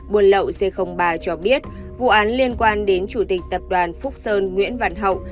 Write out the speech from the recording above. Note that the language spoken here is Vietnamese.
buôn lậu c ba cho biết vụ án liên quan đến chủ tịch tập đoàn phúc sơn nguyễn văn hậu